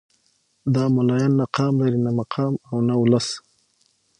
دا ملايان نه قام لري نه مقام او نه ولس.